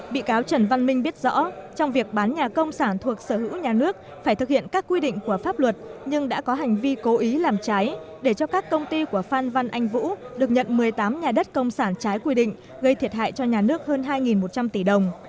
bị cáo trần văn minh biết rõ trong việc bán nhà công sản thuộc sở hữu nhà nước phải thực hiện các quy định của pháp luật nhưng đã có hành vi cố ý làm trái để cho các công ty của phan văn anh vũ được nhận một mươi tám nhà đất công sản trái quy định gây thiệt hại cho nhà nước hơn hai một trăm linh tỷ đồng